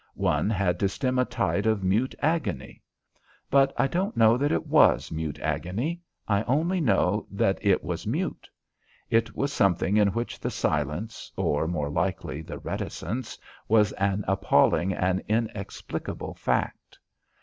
One had to stem a tide of mute agony. But I don't know that it was mute agony. I only know that it was mute. It was something in which the silence or, more likely, the reticence was an appalling and inexplicable fact.